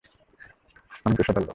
আমি পেশাদার লোক।